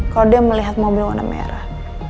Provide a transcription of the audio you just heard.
kalau dia melihat mobil warna merah